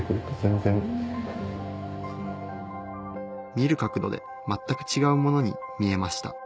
見る角度で全く違うものに見えました